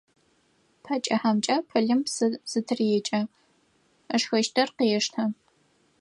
Пэ кӏыхьэмкӏэ пылым псы зытырекӏэ, ышхыщтыр къештэ.